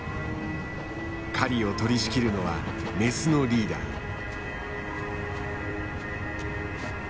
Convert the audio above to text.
狩りを取りしきるのはメスのリーダー。